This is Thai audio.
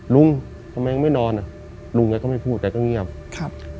ลุงทำไมยังไม่นอนลุงแก่ก็ไม่พูดแก่ก็เงียบ